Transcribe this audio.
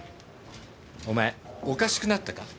お前おかしくなったか？